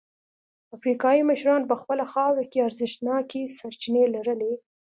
افریقايي مشرانو په خپله خاوره کې ارزښتناکې سرچینې لرلې.